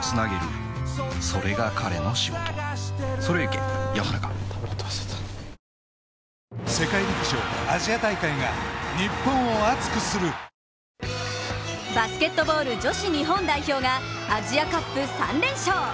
きっとバスケットボール女子日本代表がアジアカップ３連勝